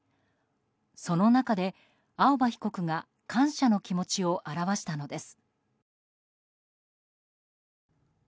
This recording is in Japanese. その中で、青葉被告が感謝の気持ちを表したのです。